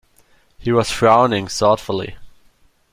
He was frowning thoughtfully.